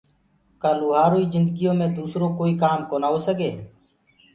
ڪآ لوهآروئي جندگيو مي دوسرو ڪوئي ڪآم ڪونآ هوسگي